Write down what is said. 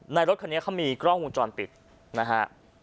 ในรถคนนี้เค้ามีกล้องวิวจรปิดนะฮะ